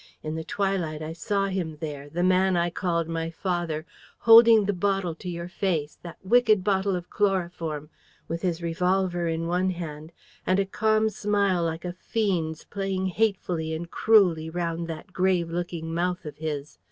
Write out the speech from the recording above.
In the twilight, I saw him there the man I called my father holding the bottle to your face, that wicked bottle of chloroform, with his revolver in one hand, and a calm smile like a fiend's playing hatefully and cruelly round that grave looking mouth of his.